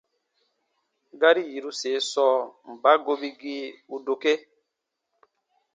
Gari yiruse sɔɔ: mba gobigii u dokee?